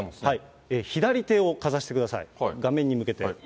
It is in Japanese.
左手をかざしてください、画面に向けて。